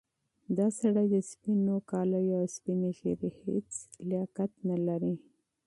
دا سړی د سپینو جامو او سپینې ږیرې هیڅ لیاقت نه لري.